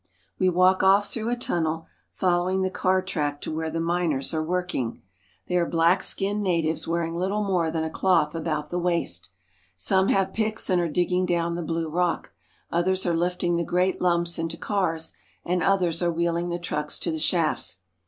I 300 AFRICA We walk off through a tunnel, following the car track to where the miners are working. They are black skinned natives wearing little more than a cloth about the waist. Some have picks and are digging down the blue rock, others are lifting the great lumps into cars, and others are wheeling the trucks to the shafts.